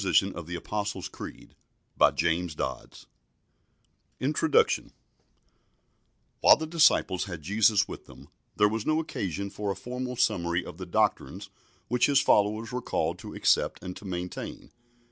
THE APOSTLES' CREED INTRODUCTION While the disciples had Jesus with them, there was no occasion for a formal summary of the doctrines which His followers were called to accept and to maintain.